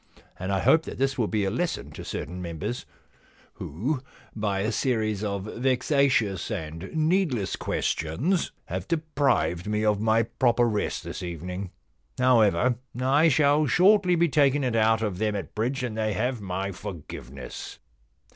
And I hope that this will be a lesson to certain members v/ho, by a series of vexatious and needless 215 The Problem Club questions, have deprived me of my proper rest this evening. However, I shall shortly be taking it out of them at bridge, and they have my forgiveness.